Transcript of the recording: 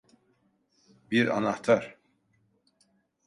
Bir anahtar.